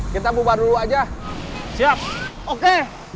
kita bubar dulu aja siap oke